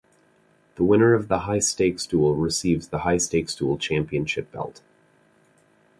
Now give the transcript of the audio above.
The winner of High Stakes Duel receives the High Stakes Duel Championship Belt.